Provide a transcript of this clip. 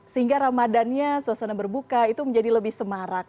sehingga ramadannya suasana berbuka itu menjadi lebih semarak